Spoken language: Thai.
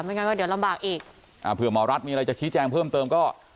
งั้นก็เดี๋ยวลำบากอีกอ่าเผื่อหมอรัฐมีอะไรจะชี้แจงเพิ่มเติมก็